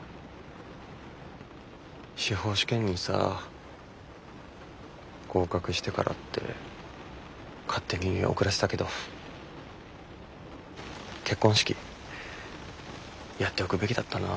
司法試験にさぁ合格してからって勝手に遅らせたけど「結婚式」やっておくべきだったなぁ。